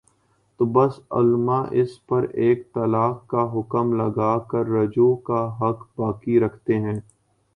تو بعض علما اس پر ایک طلاق کا حکم لگا کر رجوع کا حق باقی رکھتے ہیں